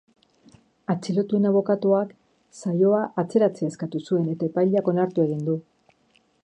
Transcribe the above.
Atxilotuen abokatuak saioa atzeratzea eskatu zuen eta epaileak onartu egin du.